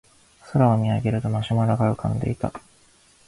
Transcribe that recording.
空を見上げるとマシュマロが浮かんでいた